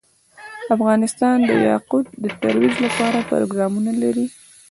افغانستان د یاقوت د ترویج لپاره پروګرامونه لري.